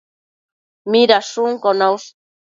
Midashunquio naush?